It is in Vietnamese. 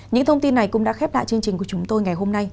những thông tin này cũng đã khép lại chương trình của chúng tôi ngày hôm nay